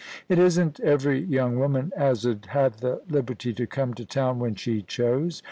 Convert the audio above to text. ' It isn't every young woman as 'ud have the liberty to come to town when she chose.